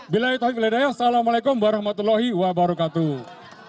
bilai tauhid bilai dayak assalamu alaikum warahmatullahi wabarakatuh